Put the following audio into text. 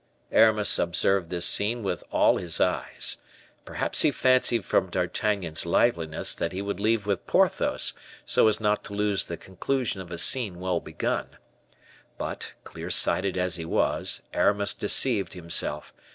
Aramis observed this scene with all his eyes. Perhaps he fancied from D'Artagnan's liveliness that he would leave with Porthos, so as not to lose the conclusion of a scene well begun. But, clear sighted as he was, Aramis deceived himself.